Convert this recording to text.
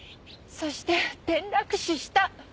そして転落死した。